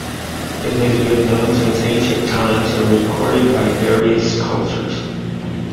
It has been known since ancient times and recorded by various cultures.